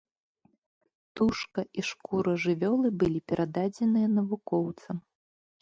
Тушка і шкура жывёлы былі перададзеныя навукоўцам.